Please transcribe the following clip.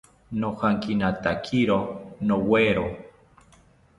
Nojankinatakiro nowero